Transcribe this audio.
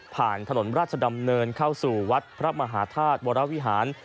ถนนราชดำเนินเข้าสู่วัดพระมหาธาตุวรวิหาร